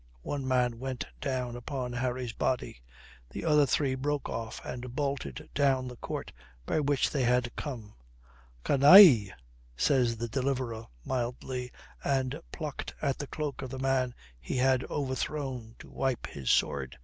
One man went down upon Harry's body. The other three broke off and bolted down the court by which they had come. "Canaille," says the deliverer mildly, and plucked at the cloak of the man he had overthrown to wipe his sword.